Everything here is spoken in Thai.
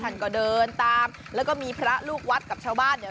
ท่านก็เดินตามแล้วก็มีพระลูกวัดกับชาวบ้านเนี่ย